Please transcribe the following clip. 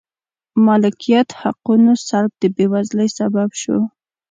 مالکیت حقونو سلب د بېوزلۍ سبب شو.